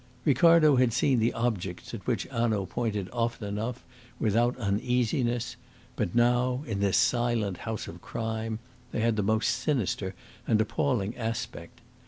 Ricardo had seen the objects at which Hanaud pointed often enough without uneasiness; but now, in this silent house of crime, they had the most sinister and appalling aspect.